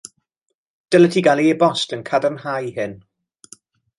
Dylet ti gael e-bost yn cadarnhau hyn.